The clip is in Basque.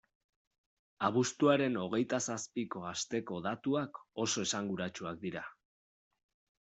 Abuztuaren hogeita zazpiko asteko datuak oso esanguratsuak dira.